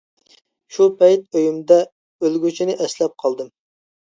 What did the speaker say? شۇ پەيت ئۆيۈمدە ئۆلگۈچىنى ئەسلەپ قالدىم.